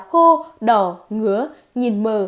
khô đỏ ngứa nhìn mờ